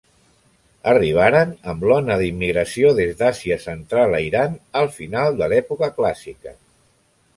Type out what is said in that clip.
Arribaren amb l'ona d'immigració des d'Àsia Central a Iran al final de l'època clàssica.